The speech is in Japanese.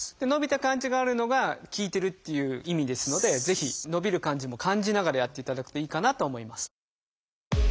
伸びた感じがあるのが効いてるっていう意味ですのでぜひ伸びる感じも感じながらやっていただくといいかなと思います。